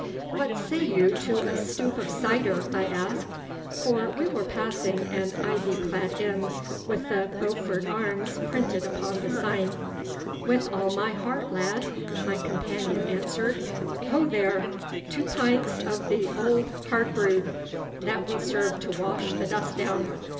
'What say you to a stoup of cider?' I asked, for we were passing an ivy clad inn, with 'The Beaufort Arms' printed upon the sign. 'With all my heart, lad,' my companion answered. 'Ho, there! two pints of the old hard brewed! That will serve to wash the dust down.